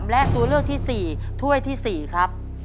และตัวเลือกที่๔ถ้วยที่๔ครับ